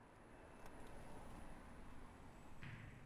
U dorinii koʻp qabul qilganligi sababli kasalxonaga yotqizilgan.